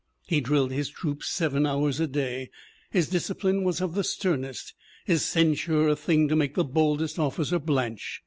He drilled his troops seven hours a day. His discipline was of the sternest, his censure a thing to make the boldest officer blanch.